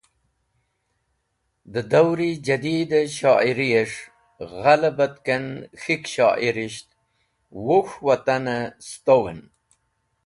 De dauri jadiede shoiri es̃h ghalebatken K̃hik Shoirisht Wuk̃h waten e Sutowan,